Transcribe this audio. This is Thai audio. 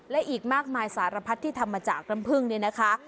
และอีกมากมายสารพัดที่ทำมาจากน้ำผึ้งเนี่ยนะคะ